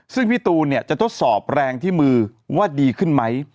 ซึ่งพี่ตูนเนี่ยจะทดสอบแรงที่มือว่าดีขึ้นไหม